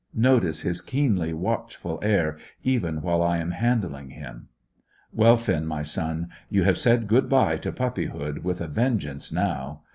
Notice his keenly watchful air, even while I am handling him. Well, Finn, my son, you have said good bye to puppyhood with a vengeance now.